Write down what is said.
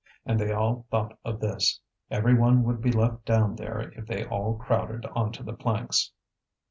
And they all thought of this; every one would be left down there if they all crowded on to the planks.